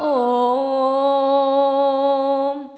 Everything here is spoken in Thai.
โอ้ม